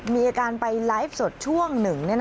มีการไปไลฟ์สดช่วงหนึ่ง